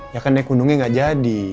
ya kan naik gunungnya nggak jadi